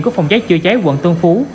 của phòng cháy chữa cháy quận tân phú